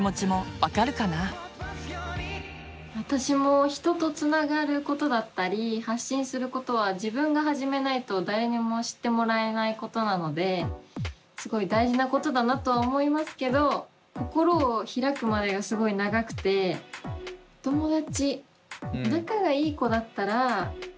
私も人とつながることだったり発信することは自分が始めないと誰にも知ってもらえないことなのですごい大事なことだなとは思いますけど心を開くまでがすごい長くてお友達